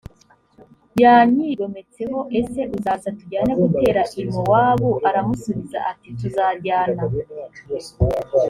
yanyigometseho ese uzaza tujyane gutera i mowabu aramusubiza ati tuzajyana